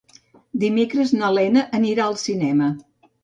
Dimecres na Lena anirà al cinema.